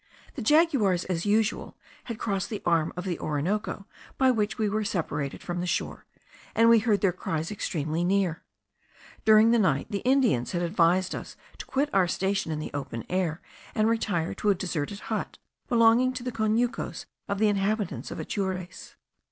The jaguars, as usual, had crossed the arm of the Orinoco by which we were separated from the shore, and we heard their cries extremely near. During the night the Indians had advised us to quit our station in the open air, and retire to a deserted hut belonging to the conucos of the inhabitants of Atures.